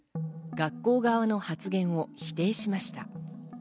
学校側の発言を否定しました。